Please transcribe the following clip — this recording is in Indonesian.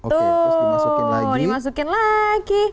tuh dimasukin lagi